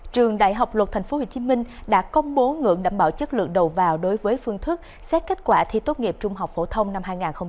trường đại học luật tp hcm đã công bố ngưỡng đảm bảo chất lượng đầu vào đối với phương thức xét kết quả thi tốt nghiệp trung học phổ thông năm hai nghìn hai mươi